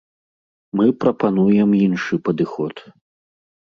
Мы прапануем іншы падыход.